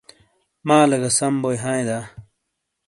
مالے گہ سم بو ہائے دا ؟